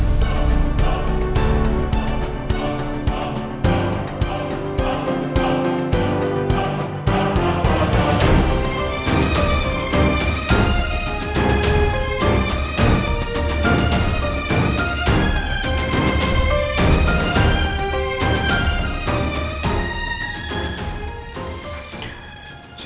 aku mau pulang dulu